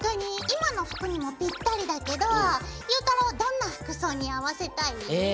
今の服にもぴったりだけどゆうたろうどんな服装に合わせたい？え。